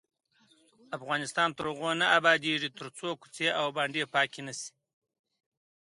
افغانستان تر هغو نه ابادیږي، ترڅو کوڅې او بانډې پاکې نشي.